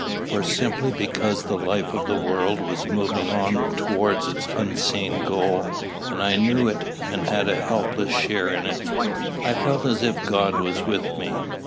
For simply because the life of the world was moving on towards its unseen goal, and I knew it and had a helpless share in it, I felt as if God was with me.